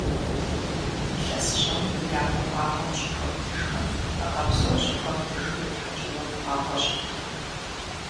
ИлъэсыщӀэм и япэ махуэм щӀыхуэ птыжмэ, гъэ псор щӀыхуэ птыжу епхьэкӀыну къафӀэщӏырт.